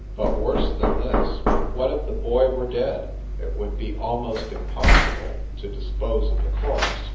But, worse than this, what if the boy were dead ? It would be almost impossible to dispose of the corpse.